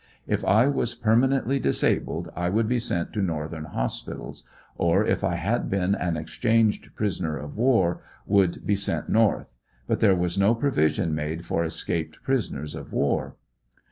If I was permanently disabled I could be sent to Northern hospitals, or if I had been an exchanged prisoner of war, could be sent North, but there was no provision made for escaped prisoners of war.